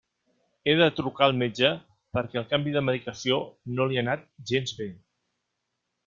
He de trucar al metge perquè el canvi de medicació no li ha anat gens bé.